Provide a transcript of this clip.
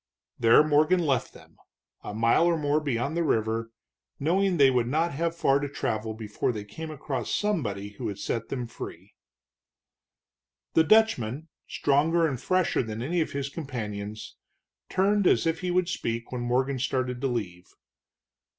There Morgan left them, a mile or more beyond the river, knowing they would not have far to travel before they came across somebody who would set them free. The Dutchman, stronger and fresher than any of his companions, turned as if he would speak when Morgan started to leave.